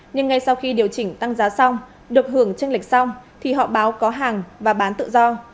nhưng ngay sau khi điều chỉnh tăng giá xong được hưởng tranh lệch xong thì họ báo có hàng và bán tự do